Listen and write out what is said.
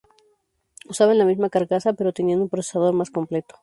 Usaban la misma carcasa pero tenían un procesador más completo.